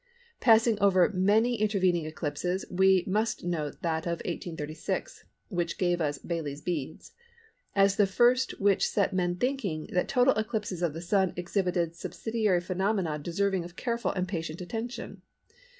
Passing over many intervening eclipses we must note that of 1836 (which gave us "Baily's Beads") as the first which set men thinking that total eclipses of the Sun exhibited subsidiary phenomena deserving of careful and patient attention.